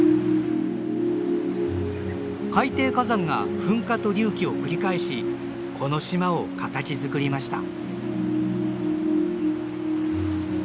海底火山が噴火と隆起を繰り返しこの島を形づくりました。